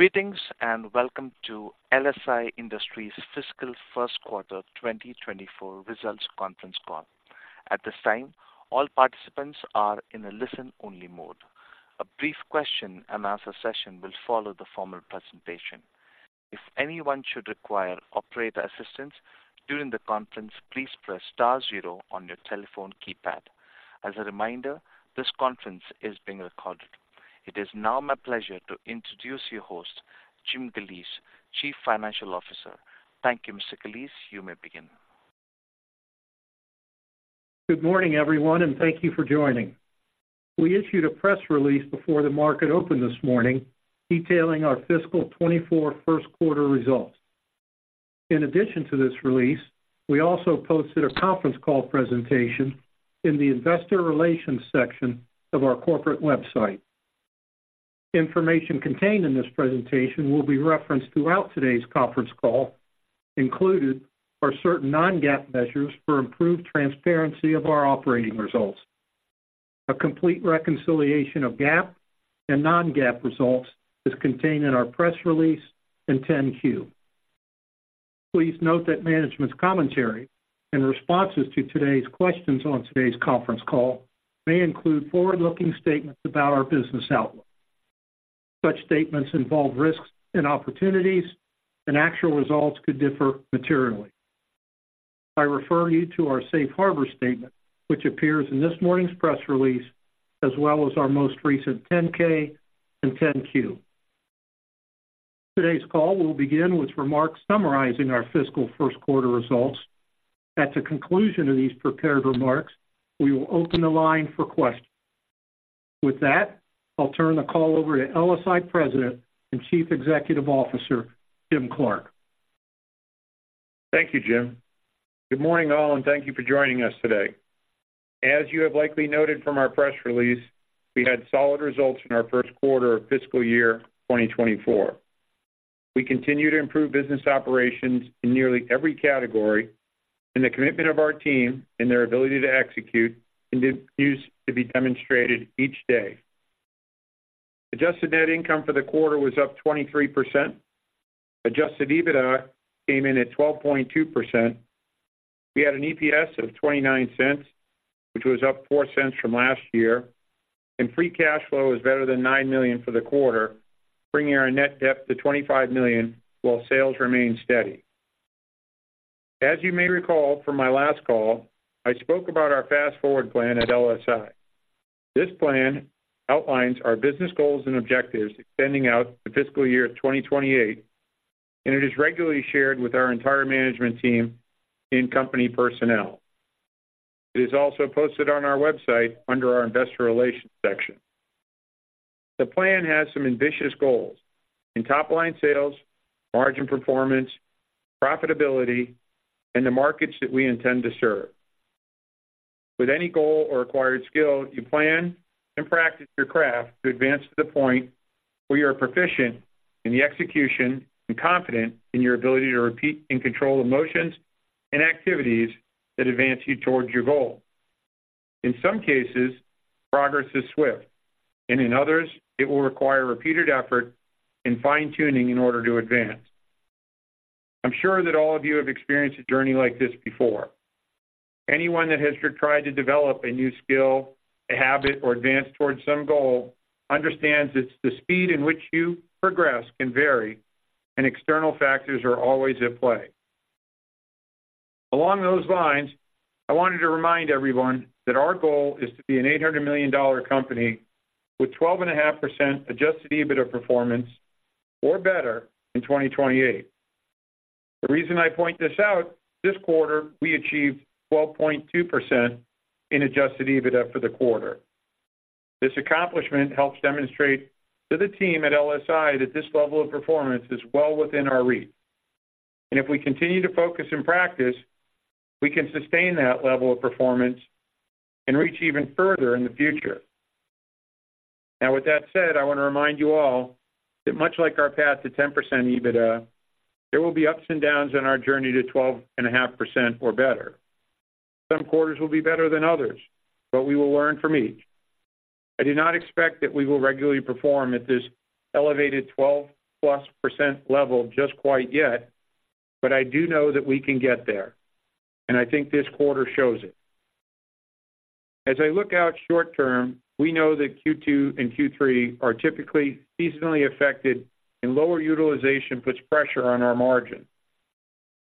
Greetings, and welcome to LSI Industries fiscal first quarter 2024 results conference call. At this time, all participants are in a listen-only mode. A brief question-and-answer session will follow the formal presentation. If anyone should require operator assistance during the conference, please press star zero on your telephone keypad. As a reminder, this conference is being recorded. It is now my pleasure to introduce your host, Jim Galeese, Chief Financial Officer. Thank you, Mr. Galeese. You may begin. Good morning, everyone, and thank you for joining. We issued a press release before the market opened this morning, detailing our fiscal 2024 first quarter results. In addition to this release, we also posted a conference call presentation in the investor relations section of our corporate website. Information contained in this presentation will be referenced throughout today's conference call. Included are certain non-GAAP measures for improved transparency of our operating results. A complete reconciliation of GAAP and non-GAAP results is contained in our press release in 10-Q. Please note that management's commentary and responses to today's questions on today's conference call may include forward-looking statements about our business outlook. Such statements involve risks and opportunities, and actual results could differ materially. I refer you to our safe harbor statement, which appears in this morning's press release, as well as our most recent 10-K and 10-Q. Today's call will begin with remarks summarizing our fiscal first quarter results. At the conclusion of these prepared remarks, we will open the line for questions. With that, I'll turn the call over to LSI President and Chief Executive Officer, Jim Clark. Thank you, Jim. Good morning, all, and thank you for joining us today. As you have likely noted from our press release, we had solid results in our first quarter of fiscal year 2024. We continue to improve business operations in nearly every category, and the commitment of our team and their ability to execute continues to be demonstrated each day. Adjusted net income for the quarter was up 23%. Adjusted EBITDA came in at 12.2%. We had an EPS of $0.29, which was up $0.04 from last year, and free cash flow is better than $9 million for the quarter, bringing our net debt to $25 million, while sales remain steady. As you may recall from my last call, I spoke about our Fast Forward plan at LSI. This plan outlines our business goals and objectives extending out to fiscal year 2028, and it is regularly shared with our entire management team and company personnel. It is also posted on our website under our Investor Relations section. The plan has some ambitious goals in top-line sales, margin performance, profitability, and the markets that we intend to serve. With any goal or acquired skill, you plan and practice your craft to advance to the point where you are proficient in the execution and confident in your ability to repeat and control the motions and activities that advance you towards your goal. In some cases, progress is swift, and in others, it will require repeated effort and fine-tuning in order to advance. I'm sure that all of you have experienced a journey like this before. Anyone that has tried to develop a new skill, a habit, or advance towards some goal understands it's the speed in which you progress can vary, and external factors are always at play. Along those lines, I wanted to remind everyone that our goal is to be an $800 million company with 12.5% Adjusted EBITDA performance or better in 2028. The reason I point this out, this quarter, we achieved 12.2% in Adjusted EBITDA for the quarter. This accomplishment helps demonstrate to the team at LSI that this level of performance is well within our reach, and if we continue to focus and practice, we can sustain that level of performance and reach even further in the future. Now, with that said, I want to remind you all that much like our path to 10% EBITDA, there will be ups and downs on our journey to 12.5% or better. Some quarters will be better than others, but we will learn from each. I do not expect that we will regularly perform at this elevated 12%+ level just quite yet, but I do know that we can get there, and I think this quarter shows it. As I look out short term, we know that Q2 and Q3 are typically seasonally affected, and lower utilization puts pressure on our margin.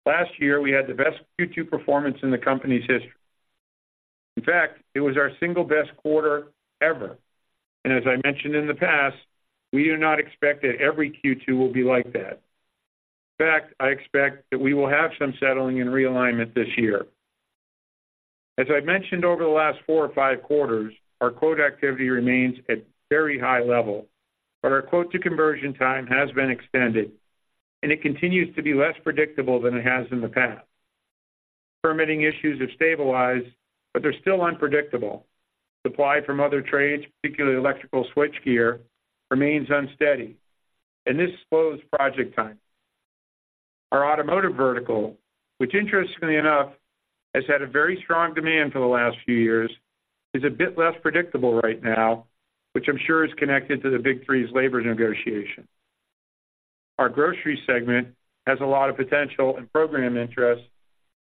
Last year, we had the best Q2 performance in the company's history. In fact, it was our single best quarter ever. As I mentioned in the past, we do not expect that every Q2 will be like that. In fact, I expect that we will have some settling and realignment this year. As I mentioned over the last four or five quarters, our quote activity remains at very high level, but our quote to conversion time has been extended, and it continues to be less predictable than it has in the past. Permitting issues have stabilized, but they're still unpredictable. Supply from other trades, particularly electrical switchgear, remains unsteady, and this slows project time. Our automotive vertical, which interestingly enough, has had a very strong demand for the last few years, is a bit less predictable right now, which I'm sure is connected to the Big Three's labor negotiation. Our grocery segment has a lot of potential and program interest,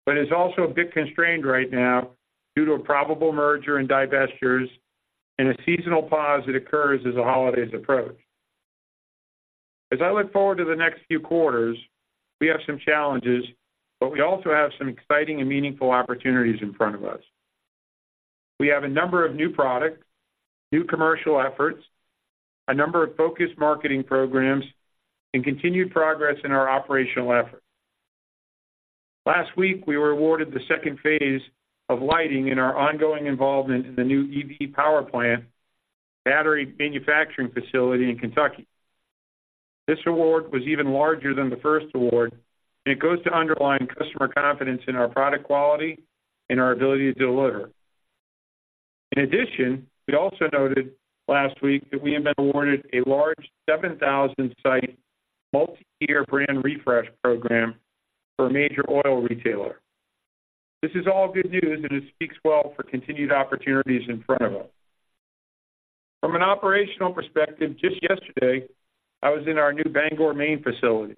but is also a bit constrained right now due to a probable merger and divestitures and a seasonal pause that occurs as the holidays approach. As I look forward to the next few quarters, we have some challenges, but we also have some exciting and meaningful opportunities in front of us. We have a number of new products, new commercial efforts, a number of focused marketing programs, and continued progress in our operational efforts. Last week, we were awarded the second phase of lighting in our ongoing involvement in the new EV power plant battery manufacturing facility in Kentucky. This award was even larger than the first award, and it goes to underline customer confidence in our product quality and our ability to deliver. In addition, we also noted last week that we have been awarded a large 7,000-site, multiyear brand refresh program for a major oil retailer. This is all good news, and it speaks well for continued opportunities in front of us. From an operational perspective, just yesterday, I was in our new Bangor, Maine facility.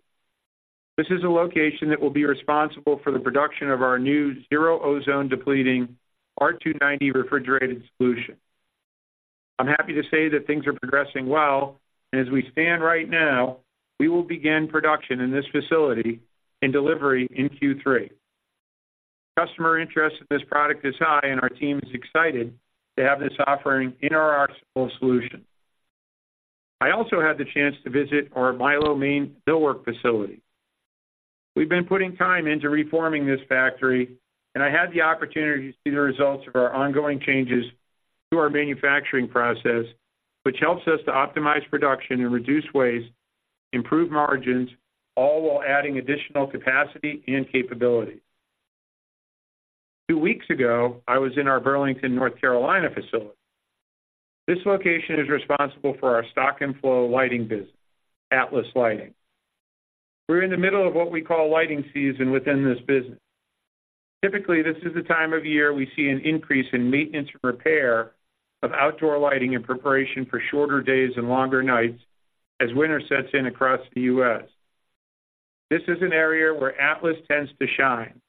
This is a location that will be responsible for the production of our new zero ozone-depleting R290 refrigerated solution. I'm happy to say that things are progressing well, and as we stand right now, we will begin production in this facility and delivery in Q3. Customer interest in this product is high, and our team is excited to have this offering in our arsenal of solutions. I also had the chance to visit our Milo, Maine millwork facility. We've been putting time into reforming this factory, and I had the opportunity to see the results of our ongoing changes to our manufacturing process, which helps us to optimize production and reduce waste, improve margins, all while adding additional capacity and capability. Two weeks ago, I was in our Burlington, North Carolina, facility. This location is responsible for our stock and flow lighting business, Atlas Lighting. We're in the middle of what we call lighting season within this business. Typically, this is the time of year we see an increase in maintenance and repair of outdoor lighting in preparation for shorter days and longer nights as winter sets in across the U.S. This is an area where Atlas tends to shine.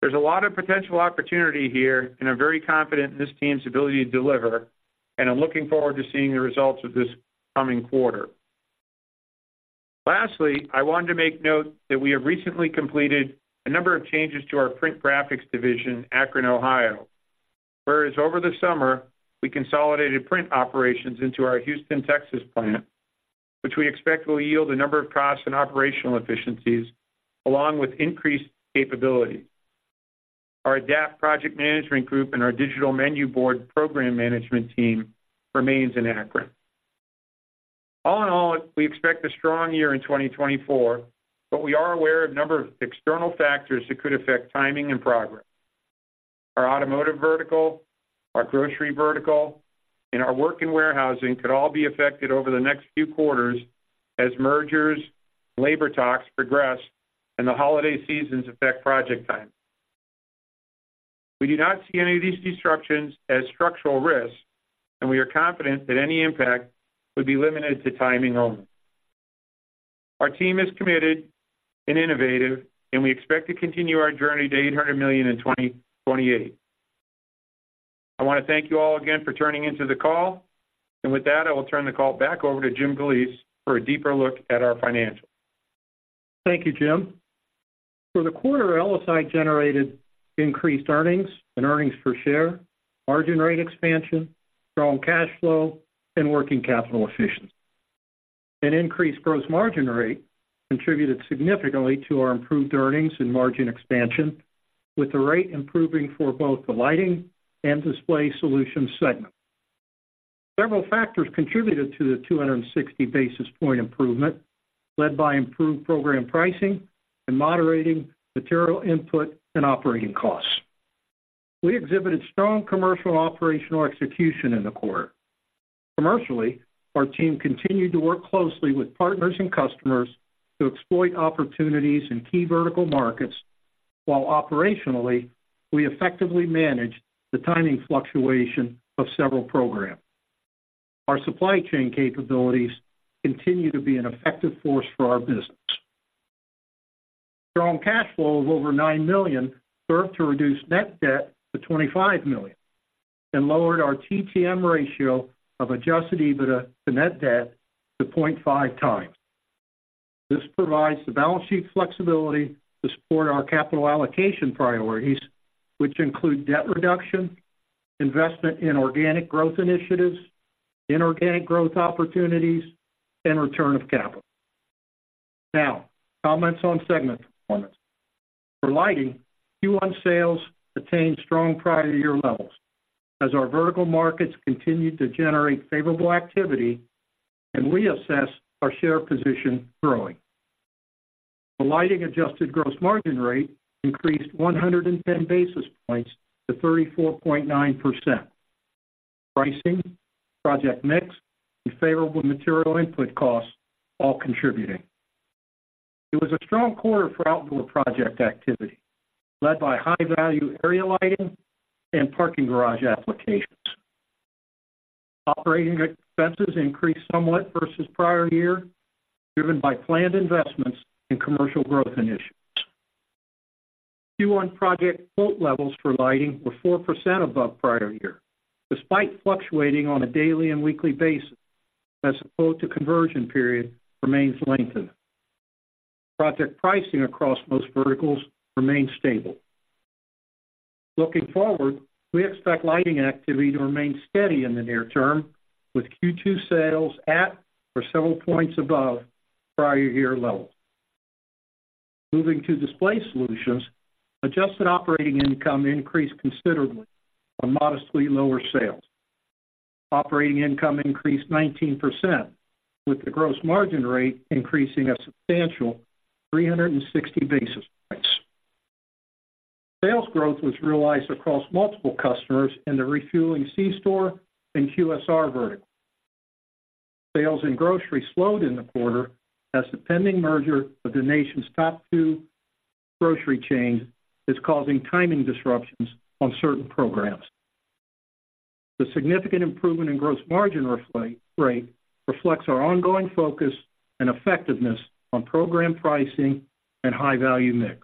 There's a lot of potential opportunity here, and I'm very confident in this team's ability to deliver, and I'm looking forward to seeing the results of this coming quarter. Lastly, I wanted to make note that we have recently completed a number of changes to our print graphics division, Akron, Ohio, whereas over the summer, we consolidated print operations into our Houston, Texas, plant, which we expect will yield a number of costs and operational efficiencies, along with increased capability. Our ADAPT project management group and our digital menu board program management team remains in Akron. All in all, we expect a strong year in 2024, but we are aware of a number of external factors that could affect timing and progress. Our automotive vertical, our grocery vertical, and our work in warehousing could all be affected over the next few quarters as mergers, labor talks progress, and the holiday seasons affect project time. We do not see any of these disruptions as structural risks, and we are confident that any impact would be limited to timing only. Our team is committed and innovative, and we expect to continue our journey to $800 million in 2028. I want to thank you all again for tuning in to the call, and with that, I will turn the call back over to Jim Galeese for a deeper look at our financials. Thank you, Jim. For the quarter, LSI generated increased earnings and earnings per share, margin rate expansion, strong cash flow, and working capital efficiency. An increased gross margin rate contributed significantly to our improved earnings and margin expansion, with the rate improving for both the lighting and display solutions segment. Several factors contributed to the 260 basis point improvement, led by improved program pricing and moderating material input and operating costs. We exhibited strong commercial and operational execution in the quarter. Commercially, our team continued to work closely with partners and customers to exploit opportunities in key vertical markets, while operationally, we effectively managed the timing fluctuation of several programs. Our supply chain capabilities continue to be an effective force for our business. Strong cash flow of over $9 million served to reduce net debt to $25 million and lowered our TTM ratio of Adjusted EBITDA to net debt to 0.5x. This provides the balance sheet flexibility to support our capital allocation priorities, which include debt reduction, investment in organic growth initiatives, inorganic growth opportunities, and return of capital. Now, comments on segment performance. For lighting, Q1 sales attained strong prior year levels as our vertical markets continued to generate favorable activity, and we assess our share position growing. The lighting adjusted gross margin rate increased 110 basis points to 34.9% pricing, project mix, and favorable material input costs, all contributing. It was a strong quarter for outdoor project activity, led by high-value area lighting and parking garage applications. Operating expenses increased somewhat versus prior year, driven by planned investments in commercial growth initiatives. Q1 project quote levels for lighting were 4% above prior year, despite fluctuating on a daily and weekly basis, as the quote-to-conversion period remains lengthened. Project pricing across most verticals remained stable. Looking forward, we expect lighting activity to remain steady in the near term, with Q2 sales at, or several points above, prior year levels. Moving to display solutions, adjusted operating income increased considerably on modestly lower sales. Operating income increased 19%, with the gross margin rate increasing a substantial 360 basis points. Sales growth was realized across multiple customers in the refueling C-store and QSR vertical. Sales in grocery slowed in the quarter as the pending merger of the nation's top two grocery chains is causing timing disruptions on certain programs. The significant improvement in gross margin rate reflects our ongoing focus and effectiveness on program pricing and high-value mix.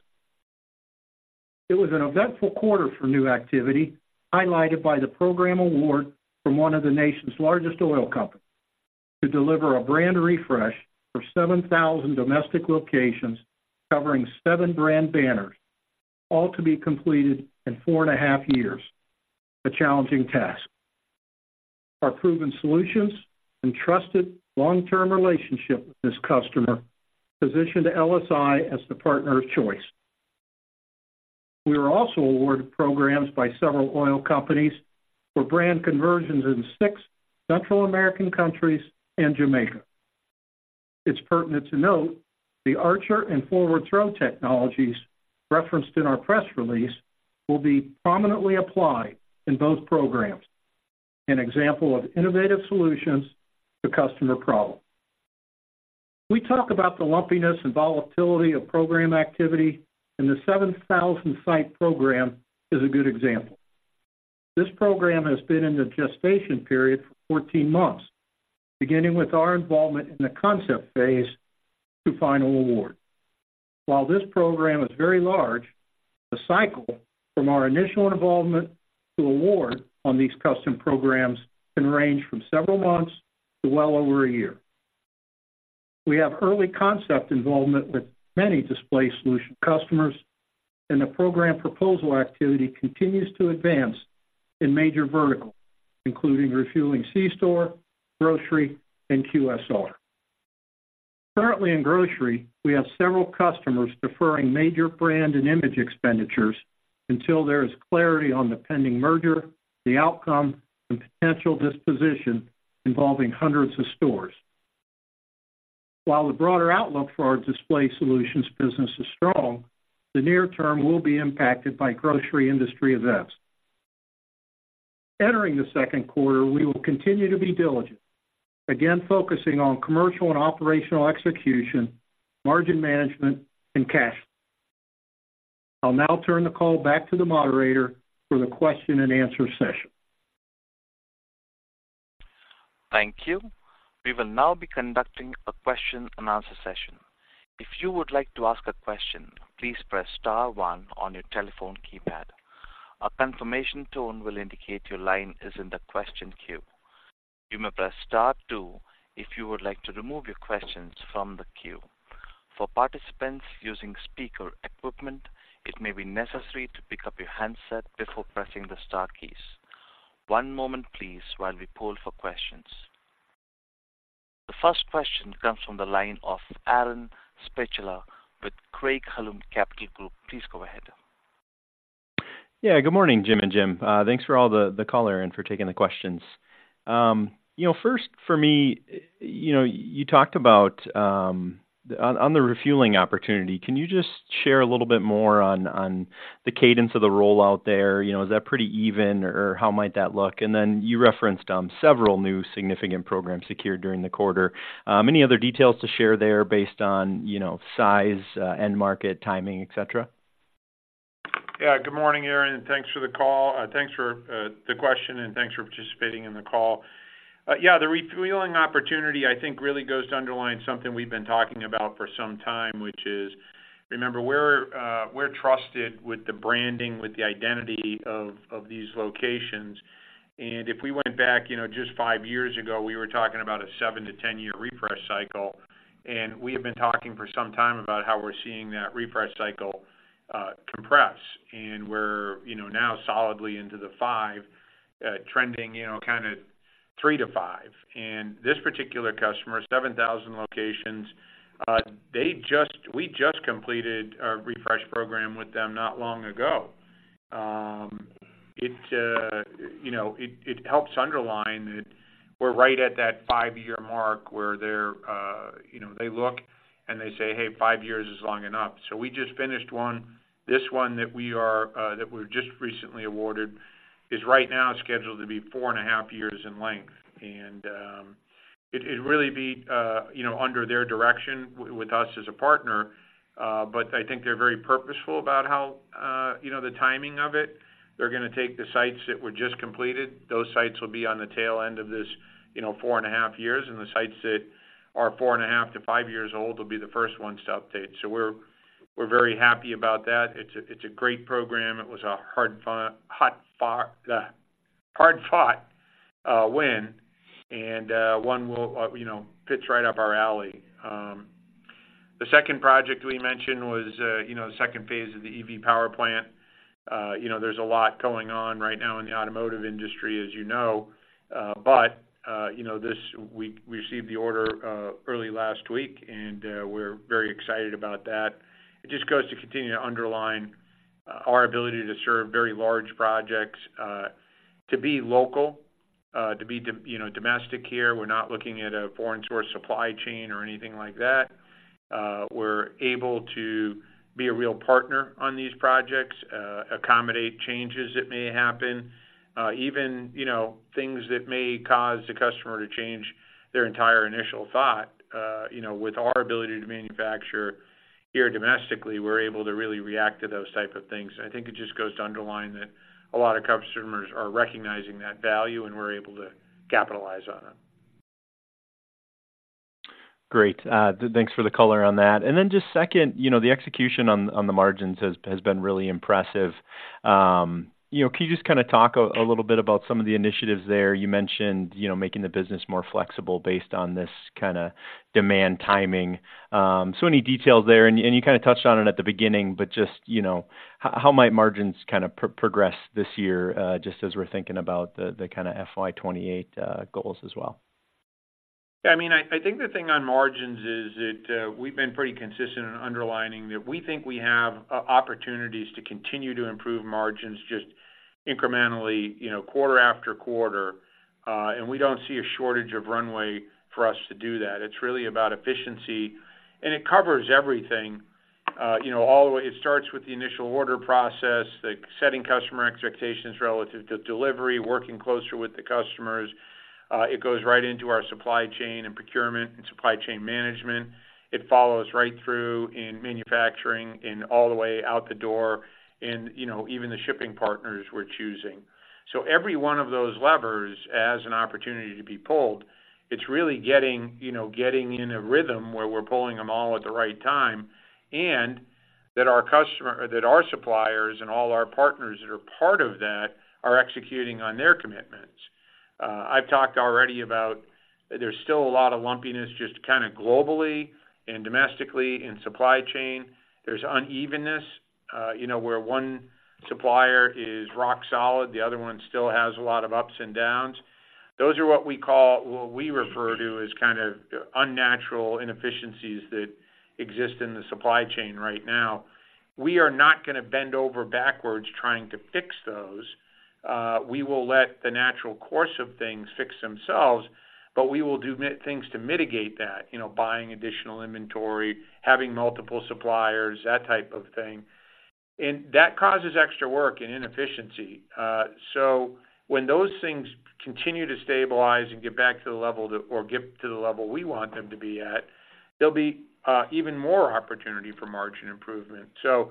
It was an eventful quarter for new activity, highlighted by the program award from one of the nation's largest oil companies, to deliver a brand refresh for 7,000 domestic locations covering seven brand banners, all to be completed in 4.5 years, a challenging task. Our proven solutions and trusted long-term relationship with this customer positioned LSI as the partner of choice. We were also awarded programs by several oil companies for brand conversions in six Central American countries and Jamaica. It's pertinent to note, the Archer and Forward Throw technologies referenced in our press release will be prominently applied in both programs, an example of innovative solutions to customer problems. We talk about the lumpiness and volatility of program activity, and the 7,000-site program is a good example. This program has been in the gestation period for 14 months, beginning with our involvement in the concept phase to final award. While this program is very large, the cycle from our initial involvement to award on these custom programs can range from several months to well over a year. We have early concept involvement with many display solution customers, and the program proposal activity continues to advance in major verticals, including refueling C-store, grocery, and QSR. Currently in grocery, we have several customers deferring major brand and image expenditures until there is clarity on the pending merger, the outcome, and potential disposition involving hundreds of stores. While the broader outlook for our display solutions business is strong, the near term will be impacted by grocery industry events. Entering the second quarter, we will continue to be diligent, again, focusing on commercial and operational execution, margin management, and cash. I'll now turn the call back to the moderator for the question-and-answer session. Thank you. We will now be conducting a question-and-answer session. If you would like to ask a question, please press star one on your telephone keypad. A confirmation tone will indicate your line is in the question queue. You may press star two if you would like to remove your questions from the queue. For participants using speaker equipment, it may be necessary to pick up your handset before pressing the star keys. One moment, please, while we poll for questions. The first question comes from the line of Aaron Spychalla with Craig-Hallum Capital Group. Please go ahead. Yeah, good morning, Jim and Jim. Thanks for all the color and for taking the questions. You know, first for me, you know, you talked about on the refueling opportunity. Can you just share a little bit more on the cadence of the rollout there? You know, is that pretty even, or how might that look? And then you referenced several new significant programs secured during the quarter. Any other details to share there based on, you know, size, end market, timing, et cetera? Yeah. Good morning, Aaron, thanks for the call, thanks for the question, and thanks for participating in the call. Yeah, the refueling opportunity, I think, really goes to underline something we've been talking about for some time, which is, remember, we're we're trusted with the branding, with the identity of these locations. And if we went back, you know, just five years ago, we were talking about a seven-10-year refresh cycle, and we have been talking for some time about how we're seeing that refresh cycle compress. And we're, you know, now solidly into the five, trending, you know, kind of three to five. And this particular customer, 7,000 locations, they just—we just completed a refresh program with them not long ago. You know, it helps underline that we're right at that five-year mark where they're, you know, they look, and they say: Hey, five years is long enough. So we just finished one. This one that we are- That we've just recently awarded, is right now scheduled to be 4.5 years in length. It'd really be, you know, under their direction with us as a partner. But I think they're very purposeful about how, you know, the timing of it. They're gonna take the sites that were just completed. Those sites will be on the tail end of this, you know, 4.5 years, and the sites that are 4.5-5 years old will be the first ones to update. So we're very happy about that. It's a great program. It was a hard-fought win and one will, you know, fits right up our alley. The second project we mentioned was, you know, the second phase of the EV power plant. You know, there's a lot going on right now in the automotive industry, as you know. But, you know, this we received the order early last week, and we're very excited about that. It just goes to continue to underline our ability to serve very large projects, to be local, to be domestic here. We're not looking at a foreign source supply chain or anything like that. We're able to be a real partner on these projects, accommodate changes that may happen, even, you know, things that may cause the customer to change their entire initial thought. You know, with our ability to manufacture here domestically, we're able to really react to those type of things. I think it just goes to underline that a lot of customers are recognizing that value, and we're able to capitalize on it. Great. Thanks for the color on that. Then just second, you know, the execution on the margins has been really impressive. You know, can you just kind of talk a little bit about some of the initiatives there? You mentioned, you know, making the business more flexible based on this kind of demand timing. So any details there? You kind of touched on it at the beginning, but just, you know, how might margins kind of progress this year, just as we're thinking about the kind of FY 2028 goals as well? Yeah, I mean, I think the thing on margins is that, we've been pretty consistent in underlining that we think we have opportunities to continue to improve margins just incrementally, you know, quarter after quarter. And we don't see a shortage of runway for us to do that. It's really about efficiency, and it covers everything. You know, all the way, it starts with the initial order process, the setting customer expectations relative to delivery, working closer with the customers. It goes right into our supply chain and procurement and supply chain management. It follows right through in manufacturing and all the way out the door and, you know, even the shipping partners we're choosing. So every one of those levers, as an opportunity to be pulled, it's really getting, you know, getting in a rhythm where we're pulling them all at the right time, and that our customer—or that our suppliers and all our partners that are part of that are executing on their commitments. I've talked already about, there's still a lot of lumpiness, just kind of globally and domestically in supply chain. There's unevenness, you know, where one supplier is rock solid, the other one still has a lot of ups and downs. Those are what we call, what we refer to as kind of unnatural inefficiencies that exist in the supply chain right now. We are not gonna bend over backwards trying to fix those. We will let the natural course of things fix themselves, but we will do things to mitigate that, you know, buying additional inventory, having multiple suppliers, that type of thing. And that causes extra work and inefficiency. So when those things continue to stabilize and get back to the level that, or get to the level we want them to be at, there'll be even more opportunity for margin improvement. So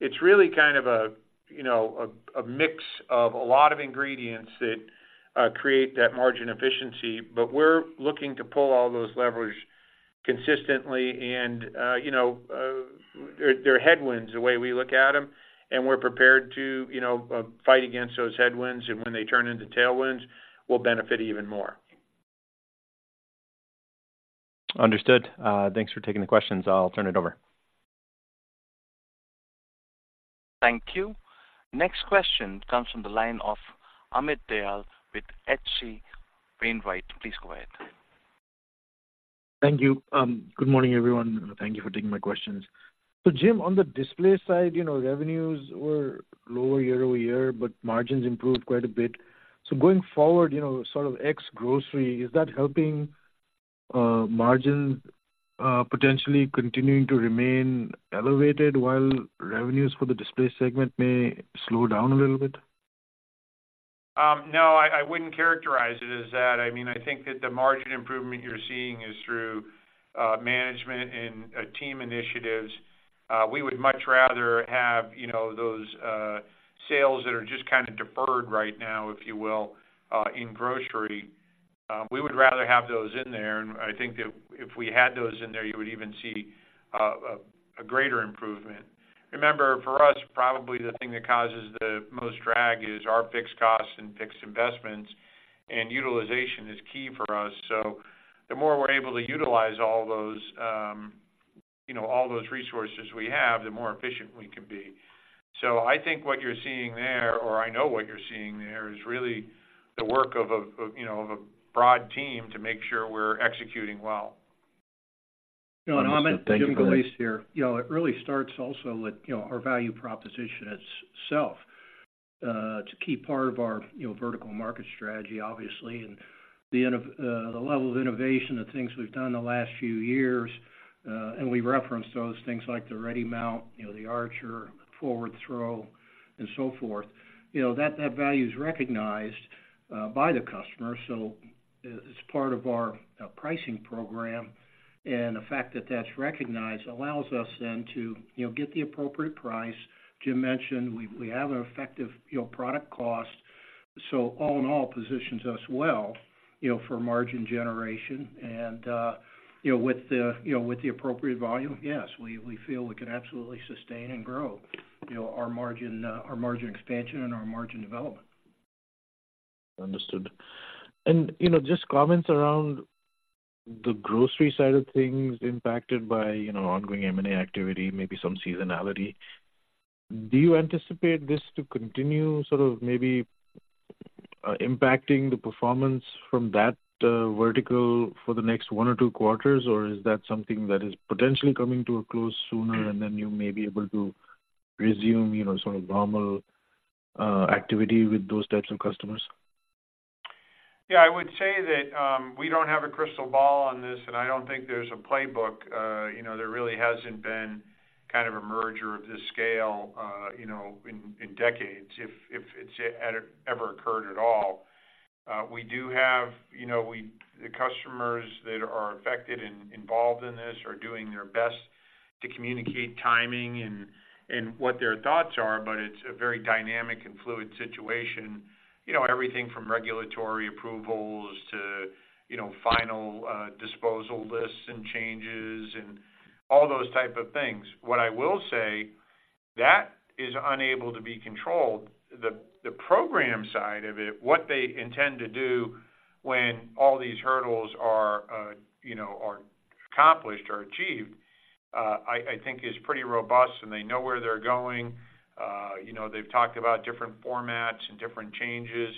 it's really kind of a you know a mix of a lot of ingredients that create that margin efficiency. But we're looking to pull all those levers consistently and, you know, they're headwinds, the way we look at them, and we're prepared to, you know, fight against those headwinds, and when they turn into tailwinds, we'll benefit even more. Understood. Thanks for taking the questions. I'll turn it over. Thank you. Next question comes from the line of Amit Dayal with H.C. Wainwright. Please go ahead. Thank you. Good morning, everyone. Thank you for taking my questions. So, Jim, on the display side, you know, revenues were lower year-over-year, but margins improved quite a bit. So going forward, you know, sort of ex grocery, is that helping margins potentially continuing to remain elevated while revenues for the display segment may slow down a little bit? No, I wouldn't characterize it as that. I mean, I think that the margin improvement you're seeing is through management and team initiatives. We would much rather have, you know, those sales that are just kind of deferred right now, if you will, in grocery. We would rather have those in there, and I think that if we had those in there, you would even see a greater improvement. Remember, for us, probably the thing that causes the most drag is our fixed costs and fixed investments, and utilization is key for us. So the more we're able to utilize all those, you know, all those resources we have, the more efficient we can be. So I think what you're seeing there, or I know what you're seeing there, is really the work of, you know, a broad team to make sure we're executing well. Understood. Thank you for that. Jim Galeese here. You know, it really starts also with, you know, our value proposition itself. It's a key part of our, you know, vertical market strategy, obviously. And the level of innovation, the things we've done in the last few years, and we referenced those things like the RediMount, you know, the Archer, Forward Throw, and so forth. You know, that value is recognized by the customer, so it is part of our pricing program. And the fact that that's recognized allows us then to, you know, get the appropriate price. Jim mentioned, we have an effective, you know, product cost. So all in all, positions us well, you know, for margin generation. You know, with the appropriate volume, yes, we feel we can absolutely sustain and grow, you know, our margin, our margin expansion and our margin development. Understood. You know, just comments around the grocery side of things impacted by, you know, ongoing M&A activity, maybe some seasonality. Do you anticipate this to continue sort of maybe, impacting the performance from that, vertical for the next one or two quarters? Or is that something that is potentially coming to a close sooner, and then you may be able to resume, you know, sort of normal, activity with those types of customers? Yeah, I would say that, we don't have a crystal ball on this, and I don't think there's a playbook. You know, there really hasn't been kind of a merger of this scale, you know, in decades, if it's ever occurred at all. We do have, you know, the customers that are affected and involved in this are doing their best to communicate timing and what their thoughts are, but it's a very dynamic and fluid situation. You know, everything from regulatory approvals to, you know, final, disposal lists and changes and all those type of things. What I will say, that is unable to be controlled. The program side of it, what they intend to do when all these hurdles are accomplished or achieved, I think is pretty robust, and they know where they're going. You know, they've talked about different formats and different changes,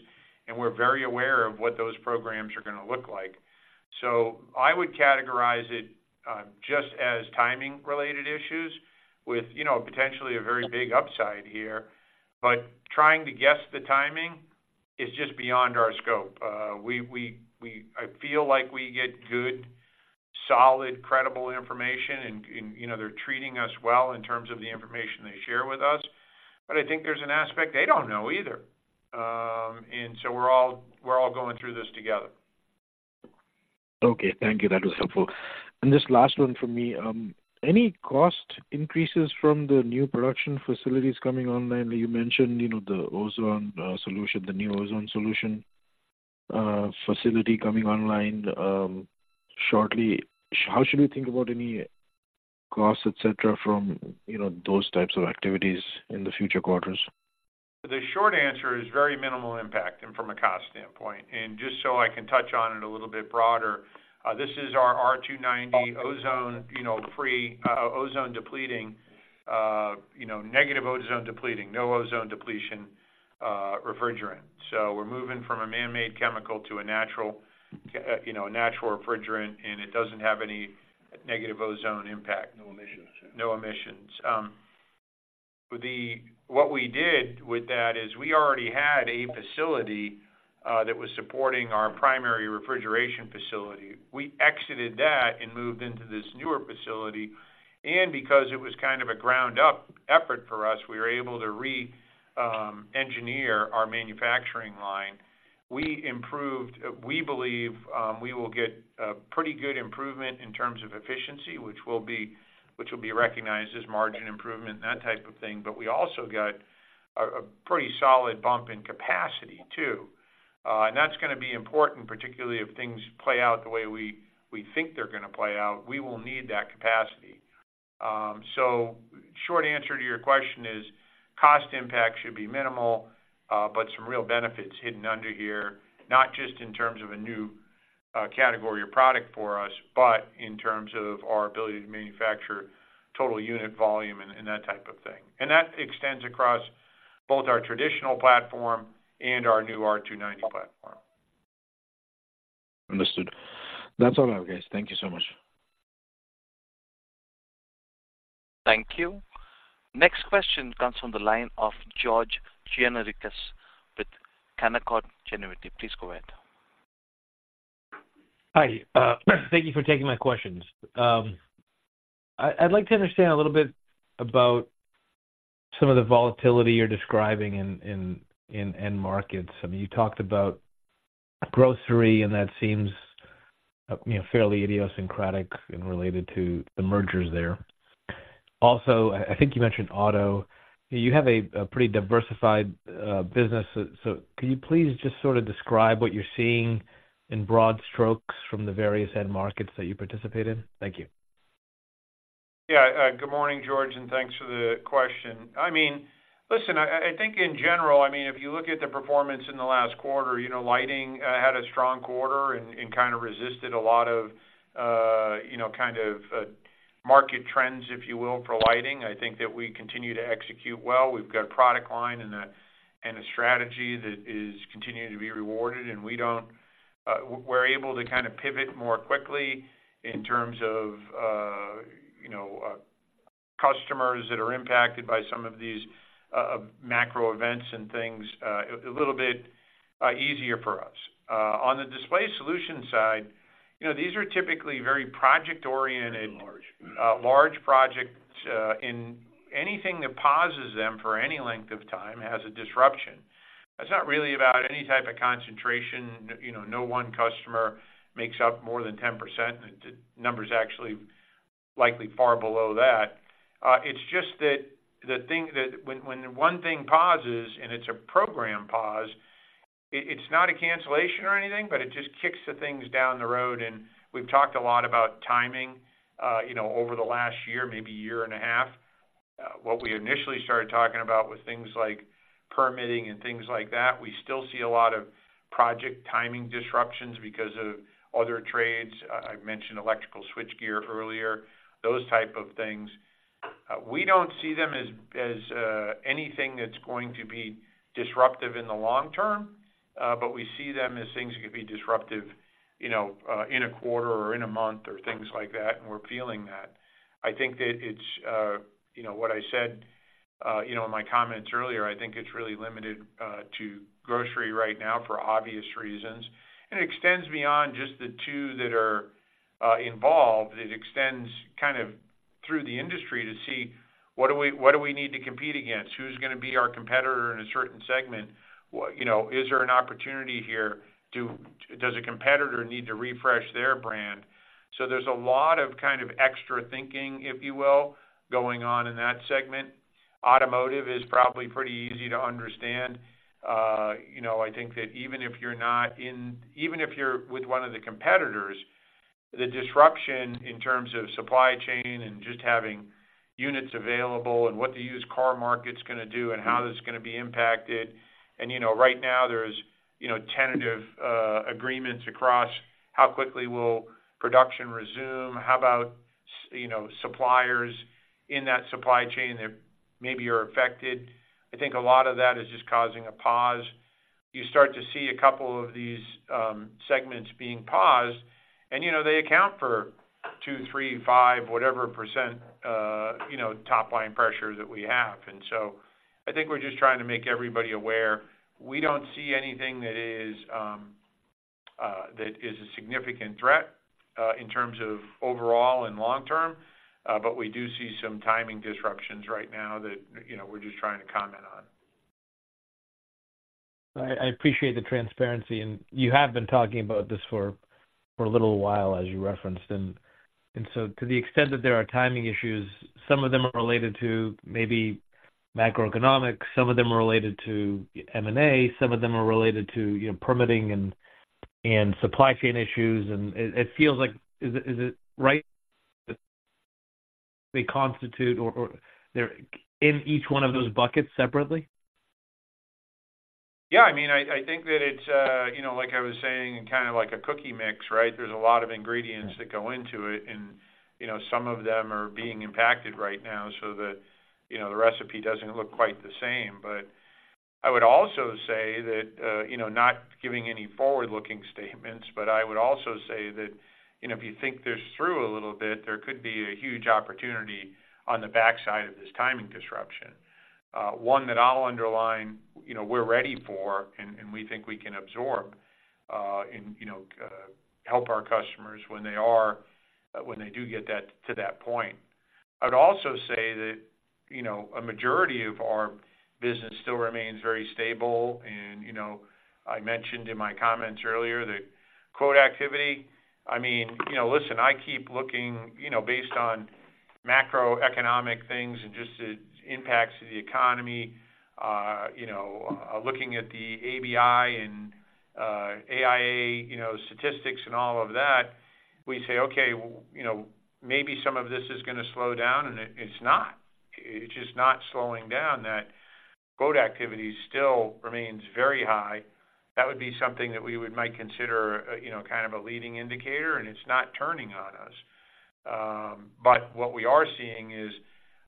and we're very aware of what those programs are gonna look like. So I would categorize it just as timing-related issues with, you know, potentially a very big upside here. But trying to guess the timing is just beyond our scope. I feel like we get good, solid, credible information and, you know, they're treating us well in terms of the information they share with us, but I think there's an aspect they don't know either. And so we're all going through this together. Okay, thank you. That was helpful. Just last one from me. Any cost increases from the new production facilities coming online? You mentioned, you know, the R290 solution, the new R290 solution facility coming online shortly. How should we think about any costs, et cetera, from, you know, those types of activities in the future quarters? The short answer is very minimal impact and from a cost standpoint. Just so I can touch on it a little bit broader, this is our R290 ozone, you know, free, ozone depleting, you know, negative ozone depleting, no ozone depletion, refrigerant. So we're moving from a man-made chemical to a natural, you know, a natural refrigerant, and it doesn't have any negative ozone impact. No emissions. No emissions. What we did with that is we already had a facility that was supporting our primary refrigeration facility. We exited that and moved into this newer facility, and because it was kind of a ground-up effort for us, we were able to reengineer our manufacturing line. We improved, we believe, we will get a pretty good improvement in terms of efficiency, which will be, which will be recognized as margin improvement, that type of thing. But we also got a pretty solid bump in capacity, too. And that's gonna be important, particularly if things play out the way we, we think they're gonna play out, we will need that capacity. So, short answer to your question is, cost impact should be minimal, but some real benefits hidden under here, not just in terms of a new category or product for us, but in terms of our ability to manufacture total unit volume and, and that type of thing. And that extends across both our traditional platform and our new R290 platform. Understood. That's all I have, guys. Thank you so much. Thank you. Next question comes from the line of George Gianarikas with Canaccord Genuity. Please go ahead. Hi. Thank you for taking my questions. I'd like to understand a little bit about some of the volatility you're describing in end markets. I mean, you talked about grocery, and that seems, you know, fairly idiosyncratic and related to the mergers there. Also, I think you mentioned auto. You have a pretty diversified business, so can you please just sort of describe what you're seeing in broad strokes from the various end markets that you participate in? Thank you. Yeah, good morning, George, and thanks for the question. I mean, listen, I think in general, I mean, if you look at the performance in the last quarter, you know, lighting had a strong quarter and kind of resisted a lot of, you know, kind of market trends, if you will, for lighting. I think that we continue to execute well. We've got product line and a strategy that is continuing to be rewarded, and we're able to kind of pivot more quickly in terms of, you know, customers that are impacted by some of these macro events and things, a little bit easier for us. On the display solution side, you know, these are typically very project-oriented- Large. Large projects, and anything that pauses them for any length of time has a disruption. It's not really about any type of concentration. You know, no one customer makes up more than 10%. The number is actually likely far below that. It's just that the thing that—when, when one thing pauses, and it's a program pause, it, it's not a cancellation or anything, but it just kicks the things down the road. And we've talked a lot about timing, you know, over the last year, maybe year and a half. What we initially started talking about was things like permitting and things like that. We still see a lot of project timing disruptions because of other trades. I mentioned electrical switchgear earlier, those type of things. We don't see them as anything that's going to be disruptive in the long term, but we see them as things that could be disruptive, you know, in a quarter or in a month, or things like that, and we're feeling that. I think that it's, you know, what I said, you know, in my comments earlier, I think it's really limited to grocery right now for obvious reasons. It extends beyond just the two that are involved. It extends kind of through the industry to see what do we need to compete against? Who's gonna be our competitor in a certain segment? You know, is there an opportunity here? Does a competitor need to refresh their brand? So there's a lot of kind of extra thinking, if you will, going on in that segment. Automotive is probably pretty easy to understand. You know, I think that even if you're not in—even if you're with one of the competitors, the disruption in terms of supply chain and just having units available, and what the used car market's gonna do, and how this is gonna be impacted, and, you know, right now there's, you know, tentative agreements across how quickly will production resume? How about you know, suppliers in that supply chain that maybe are affected? I think a lot of that is just causing a pause. You start to see a couple of these segments being paused, and, you know, they account for 2%, 3%, 5%, whatever percent, you know, top line pressure that we have. So I think we're just trying to make everybody aware. We don't see anything that is a significant threat in terms of overall and long term, but we do see some timing disruptions right now that, you know, we're just trying to comment on. I appreciate the transparency, and you have been talking about this for a little while, as you referenced. And so to the extent that there are timing issues, some of them are related to maybe macroeconomics, some of them are related to M&A, some of them are related to, you know, permitting and supply chain issues. And it feels like... Is it right, they constitute or they're in each one of those buckets separately? Yeah, I mean, I think that it's, you know, like I was saying, kind of like a cookie mix, right? There's a lot of ingredients that go into it, and, you know, some of them are being impacted right now, so, you know, the recipe doesn't look quite the same. But I would also say that, you know, not giving any forward-looking statements, but I would also say that, you know, if you think this through a little bit, there could be a huge opportunity on the backside of this timing disruption. One that I'll underline, you know, we're ready for and we think we can absorb, and, you know, help our customers when they are, when they do get that to that point. I'd also say that, you know, a majority of our business still remains very stable. You know, I mentioned in my comments earlier that quote activity, I mean, you know, listen, I keep looking, you know, based on macroeconomic things and just the impacts to the economy, you know, looking at the ABI and, AIA, you know, statistics and all of that, we say, "Okay, you know, maybe some of this is gonna slow down," and it, it's not. It's just not slowing down. That quote activity still remains very high. That would be something that we would might consider, you know, kind of a leading indicator, and it's not turning on us. But what we are seeing is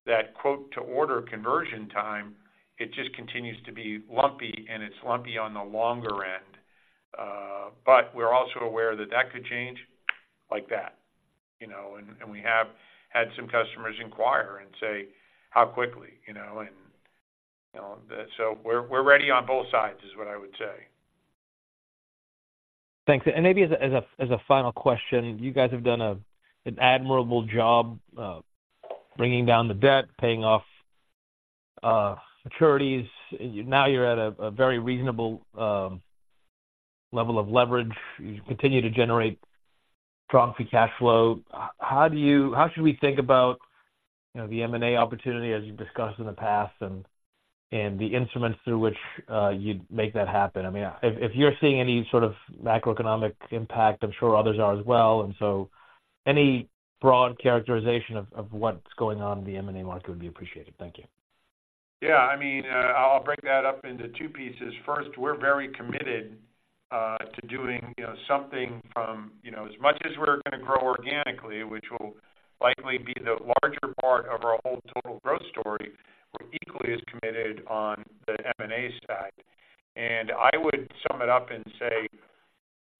that quote-to-order conversion time, it just continues to be lumpy, and it's lumpy on the longer end. But we're also aware that that could change like that, you know, and we have had some customers inquire and say, "How quickly?" You know, and so we're ready on both sides, is what I would say. Thanks. And maybe as a final question, you guys have done an admirable job of bringing down the debt, paying off maturities. Now you're at a very reasonable level of leverage. You continue to generate strong free cash flow. How should we think about, you know, the M&A opportunity as you've discussed in the past, and the instruments through which you'd make that happen? I mean, if you're seeing any sort of macroeconomic impact, I'm sure others are as well, and so any broad characterization of what's going on in the M&A market would be appreciated. Thank you. Yeah, I mean, I'll break that up into two pieces. First, we're very committed to doing, you know, something from... You know, as much as we're gonna grow organically, which will likely be the larger part of our whole total growth story, we're equally as committed on the M&A side. And I would sum it up and say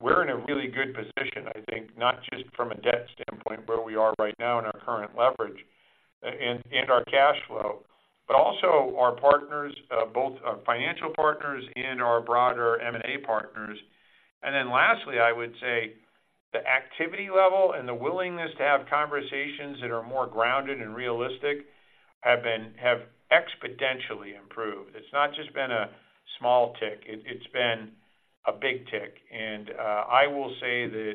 we're in a really good position, I think, not just from a debt standpoint, where we are right now in our current leverage, and our cash flow, but also our partners, both our financial partners and our broader M&A partners. And then lastly, I would say the activity level and the willingness to have conversations that are more grounded and realistic have exponentially improved. It's not just been a small tick, it's been a big tick. I will say that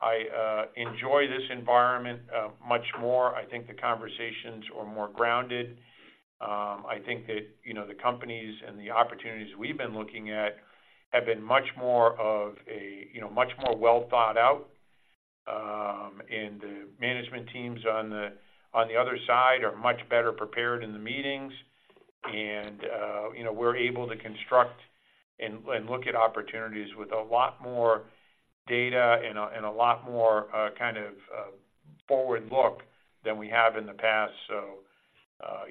I enjoy this environment much more. I think the conversations are more grounded. I think that, you know, the companies and the opportunities we've been looking at have been much more of a, you know, much more well thought out. The management teams on the other side are much better prepared in the meetings. You know, we're able to construct and look at opportunities with a lot more data and a lot more kind of forward look than we have in the past.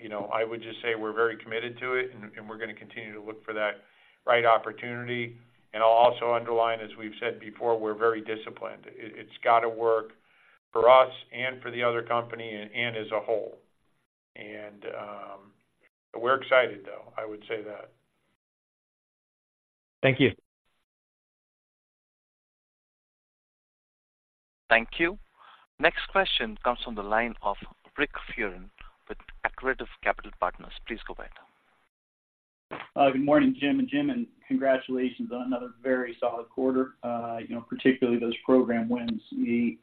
You know, I would just say we're very committed to it, and we're gonna continue to look for that right opportunity. I'll also underline, as we've said before, we're very disciplined. It's got to work for us and for the other company and as a whole. And, we're excited, though, I would say that. Thank you. Thank you. Next question comes from the line of Rick Fearon with Accretive Capital Partners. Please go ahead. Good morning, Jim and Jim, and congratulations on another very solid quarter. You know, particularly those program wins, the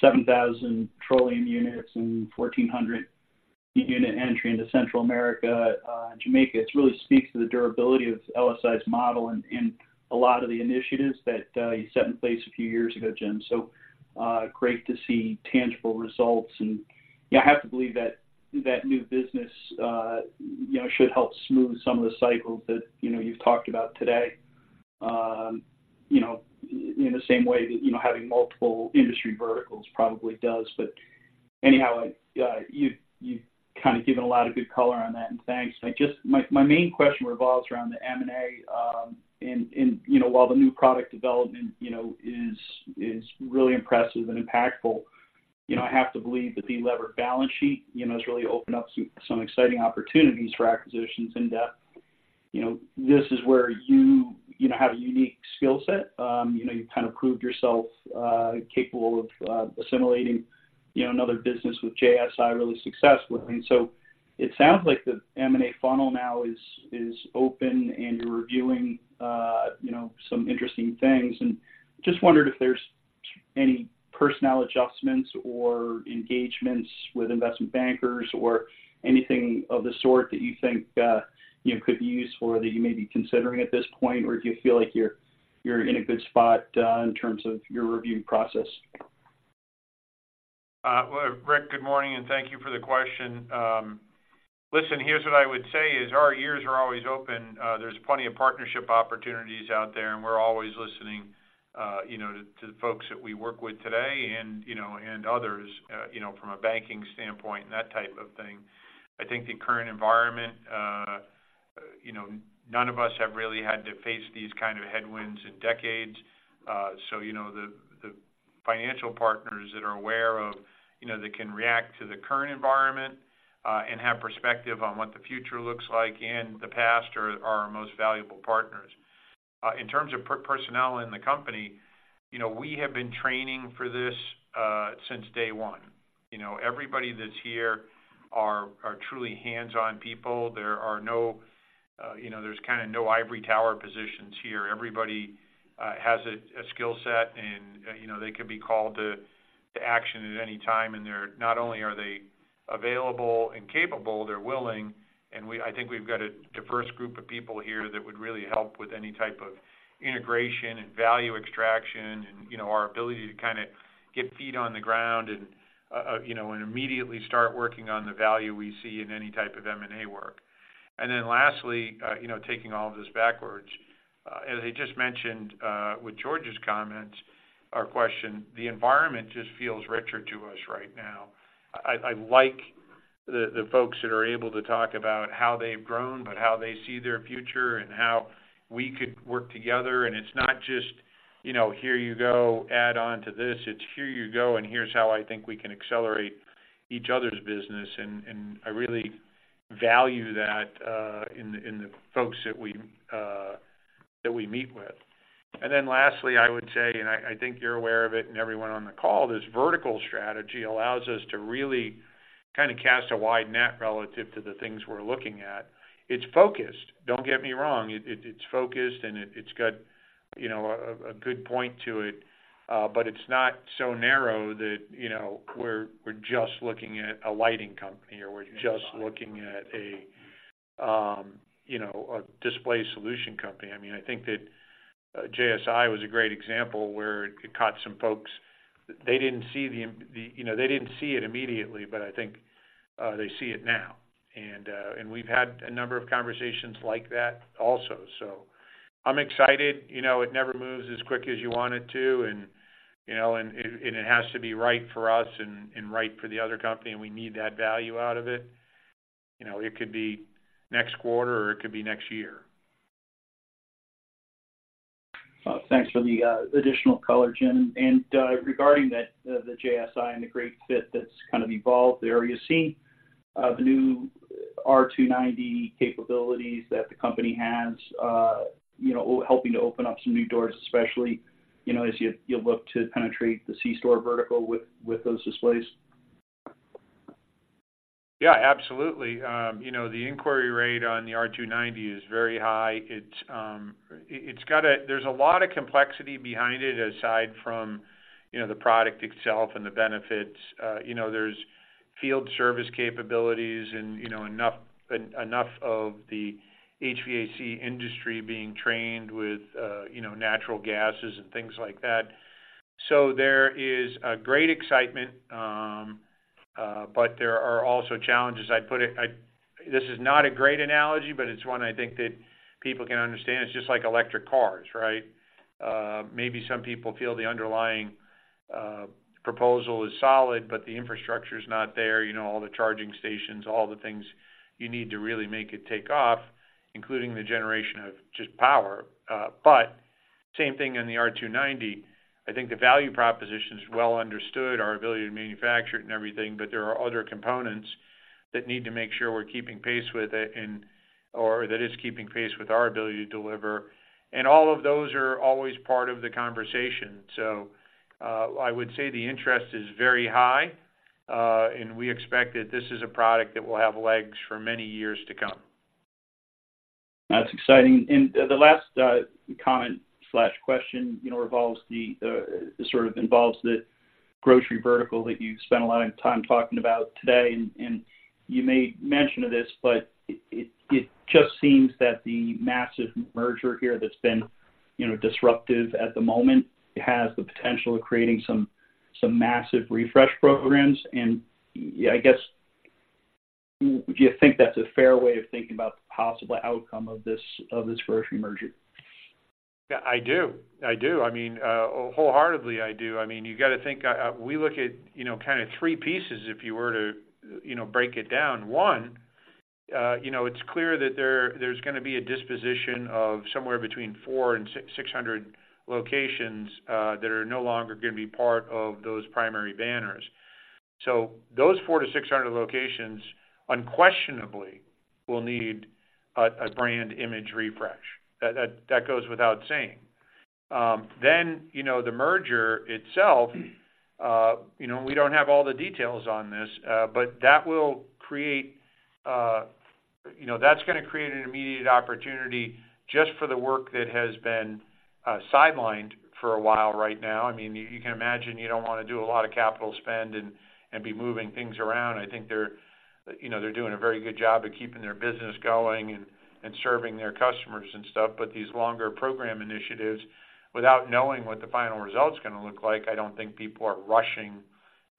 7,000 Trillium units and 1,400-unit entry into Central America, Jamaica. It really speaks to the durability of LSI's model and a lot of the initiatives that you set in place a few years ago, Jim. Great to see tangible results. And, yeah, I have to believe that that new business, you know, should help smooth some of the cycles that, you know, you've talked about today. You know, in the same way that, you know, having multiple industry verticals probably does. But anyhow, you've kind of given a lot of good color on that, and thanks. My main question revolves around the M&A, and, you know, while the new product development, you know, is really impressive and impactful, you know, I have to believe that the levered balance sheet, you know, has really opened up some exciting opportunities for acquisitions and debt. You know, this is where you have a unique skill set. You know, you've kind of proved yourself capable of assimilating, you know, another business with JSI really successfully. And so it sounds like the M&A funnel now is open and you're reviewing, you know, some interesting things. And just wondered if there's any personnel adjustments or engagements with investment bankers or anything of the sort that you think you could be useful or that you may be considering at this point? Or do you feel like you're in a good spot in terms of your review process? Well, Rick, good morning, and thank you for the question. Listen, here's what I would say is our ears are always open. There's plenty of partnership opportunities out there, and we're always listening, you know, to the folks that we work with today and, you know, and others, you know, from a banking standpoint and that type of thing. I think the current environment, you know, none of us have really had to face these kind of headwinds in decades. So, you know, the financial partners that are aware of, you know, that can react to the current environment, and have perspective on what the future looks like and the past are our most valuable partners. In terms of personnel in the company, you know, we have been training for this since day one. You know, everybody that's here are truly hands-on people. There are no, you know, there's kind of no ivory tower positions here. Everybody has a skill set and, you know, they can be called to action at any time. And they're not only are they available and capable, they're willing. And I think we've got a diverse group of people here that would really help with any type of integration and value extraction, and, you know, our ability to kind of get feet on the ground and, you know, and immediately start working on the value we see in any type of M&A work. And then lastly, you know, taking all this backwards, as I just mentioned, with George's comments or question, the environment just feels richer to us right now. I like the folks that are able to talk about how they've grown, but how they see their future and how we could work together. And it's not just, you know, here you go, add on to this. It's here you go, and here's how I think we can accelerate each other's business, and I really value that in the folks that we meet with. And then lastly, I would say, and I think you're aware of it and everyone on the call, this vertical strategy allows us to really kind of cast a wide net relative to the things we're looking at. It's focused. Don't get me wrong, it's focused and it's got, you know, a good point to it, but it's not so narrow that, you know, we're just looking at a lighting company or we're just looking at a, you know, a display solution company. I mean, I think that JSI was a great example where it caught some folks. They didn't see it immediately, but I think they see it now. And we've had a number of conversations like that also. So I'm excited. You know, it never moves as quick as you want it to, and, you know, it has to be right for us and right for the other company, and we need that value out of it.... You know, it could be next quarter or it could be next year. Well, thanks for the additional color, Jim. And, regarding the JSI and the great fit that's kind of evolved there, are you seeing the new R290 capabilities that the company has, you know, helping to open up some new doors, especially, you know, as you look to penetrate the C store vertical with those displays? Yeah, absolutely. You know, the inquiry rate on the R290 is very high. It's got a-- there's a lot of complexity behind it, aside from, you know, the product itself and the benefits. You know, there's field service capabilities and, you know, enough of the HVAC industry being trained with, you know, natural gases and things like that. So there is a great excitement, but there are also challenges. I'd put it this is not a great analogy, but it's one I think that people can understand. It's just like electric cars, right? Maybe some people feel the underlying proposal is solid, but the infrastructure is not there. You know, all the charging stations, all the things you need to really make it take off, including the generation of just power. But same thing in the R290. I think the value proposition is well understood, our ability to manufacture it and everything, but there are other components that need to make sure we're keeping pace with it and or that is keeping pace with our ability to deliver. All of those are always part of the conversation. So, I would say the interest is very high, and we expect that this is a product that will have legs for many years to come. That's exciting. And the last comment/question, you know, sort of involves the grocery vertical that you spent a lot of time talking about today. And you made mention of this, but it just seems that the massive merger here that's been, you know, disruptive at the moment, has the potential of creating some massive refresh programs. And I guess, do you think that's a fair way of thinking about the possible outcome of this grocery merger? Yeah, I do. I do. I mean, wholeheartedly, I do. I mean, you got to think, we look at, you know, kind of three pieces if you were to, you know, break it down. One, you know, it's clear that there, there's gonna be a disposition of somewhere between 400 and 600 locations, that are no longer gonna be part of those primary banners. So those 400-600 locations unquestionably will need a brand image refresh. That goes without saying. Then, you know, the merger itself, you know, we don't have all the details on this, but that will create, you know, that's gonna create an immediate opportunity just for the work that has been, sidelined for a while right now. I mean, you can imagine you don't want to do a lot of capital spend and, and be moving things around. I think they're, you know, they're doing a very good job of keeping their business going and, and serving their customers and stuff, but these longer program initiatives, without knowing what the final result is gonna look like, I don't think people are rushing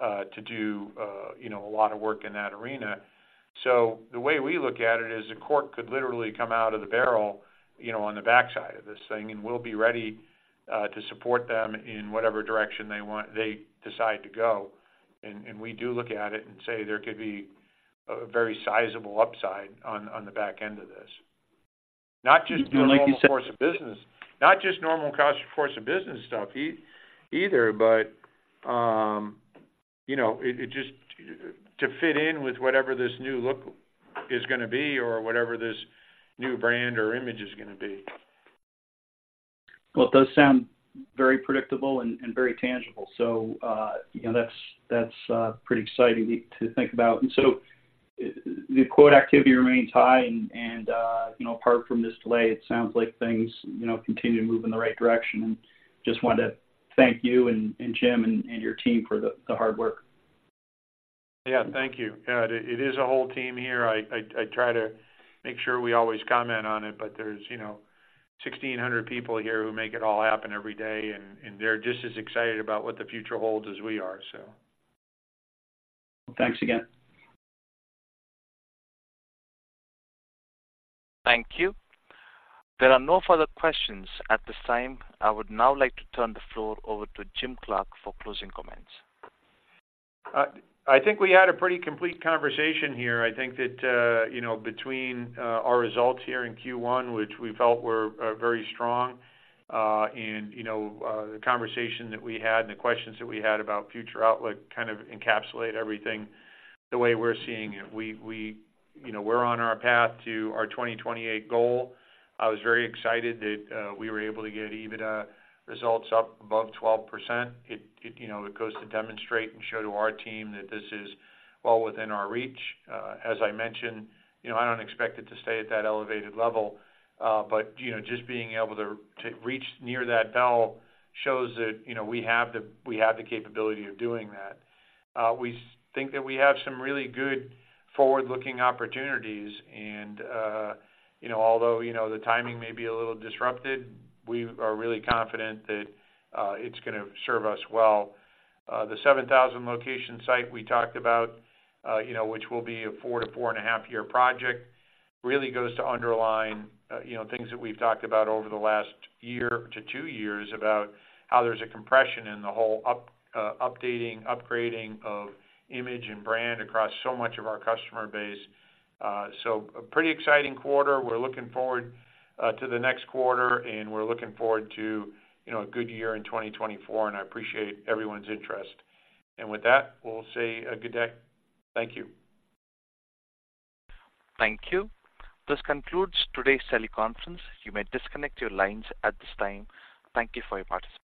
to do, you know, a lot of work in that arena. So the way we look at it is the cork could literally come out of the barrel, you know, on the backside of this thing, and we'll be ready to support them in whatever direction they want, they decide to go. And, and we do look at it and say, there could be a very sizable upside on, on the back end of this. Not just- Like you said-... course of business, not just normal course of business stuff either, but, you know, it just to fit in with whatever this new look is gonna be or whatever this new brand or image is gonna be. Well, it does sound very predictable and very tangible. So, you know, that's pretty exciting to think about. And so the quote activity remains high and, you know, apart from this delay, it sounds like things, you know, continue to move in the right direction. And just wanted to thank you and Jim and your team for the hard work. Yeah, thank you. Yeah, it is a whole team here. I try to make sure we always comment on it, but there's, you know, 1,600 people here who make it all happen every day, and they're just as excited about what the future holds as we are, so. Thanks again. Thank you. There are no further questions at this time. I would now like to turn the floor over to Jim Clark for closing comments. I think we had a pretty complete conversation here. I think that, you know, between our results here in Q1, which we felt were very strong, and, you know, the conversation that we had and the questions that we had about future outlook, kind of encapsulate everything the way we're seeing it. We, you know, we're on our path to our 2028 goal. I was very excited that we were able to get EBITDA results up above 12%. It, you know, it goes to demonstrate and show to our team that this is well within our reach. As I mentioned, you know, I don't expect it to stay at that elevated level, but, you know, just being able to reach near that bell shows that, you know, we have the capability of doing that. We think that we have some really good forward-looking opportunities, and, you know, although, you know, the timing may be a little disrupted, we are really confident that it's gonna serve us well. The 7,000 location site we talked about, you know, which will be a 4-4.5-year project, really goes to underline, you know, things that we've talked about over the last one to two years, about how there's a compression in the whole updating, upgrading of image and brand across so much of our customer base. So a pretty exciting quarter. We're looking forward to the next quarter, and we're looking forward to, you know, a good year in 2024, and I appreciate everyone's interest. And with that, we'll say a good day. Thank you. Thank you. This concludes today's teleconference. You may disconnect your lines at this time. Thank you for your participation.